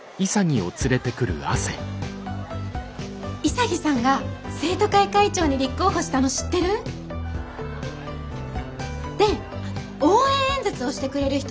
潔さんが生徒会会長に立候補したの知ってる？で応援演説をしてくれる人を探してて。